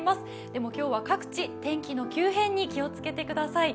でも、今日は各地、天気の急変に気をつけてください。